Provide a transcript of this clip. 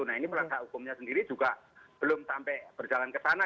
nah ini penegak hukumnya sendiri juga belum sampai berjalan ke sana